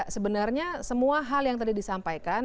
sebenarnya semua hal yang tadi disampaikan